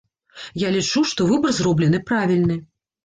Я лічу, што выбар зроблены правільны.